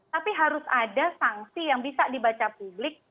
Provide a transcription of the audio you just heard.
tapi harus ada sanksi yang bisa dibaca publik